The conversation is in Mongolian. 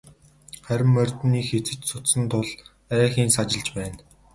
Харин морьд нь их эцэж цуцсан тул арайхийн сажилж байна.